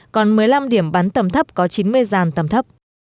còn một mươi năm điểm bắn tầm thấp có chín mươi dàn tầm thấp